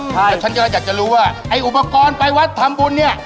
แล้วฉันก็เลยอยากจะรู้ว่าไอ้อุปกรณ์ไปวัดทำบุญเนี่ย